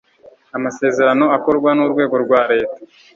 Amasezerano akorwa n urwego rwa Leta